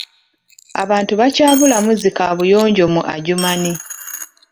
Abantu bakyabulamu zi kaabuyonjo mu Adjumani.